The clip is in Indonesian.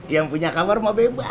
yang punya kamar mau bebas